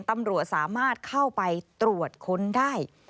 ตำรวจสามารถเข้าไปตรวจค้นได้